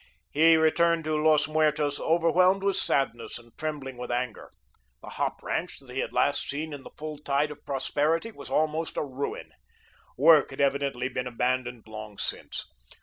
He returned to Los Muertos overwhelmed with sadness and trembling with anger. The hop ranch that he had last seen in the full tide of prosperity was almost a ruin. Work had evidently been abandoned long since.